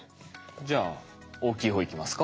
じゃあ大きい方いきますか。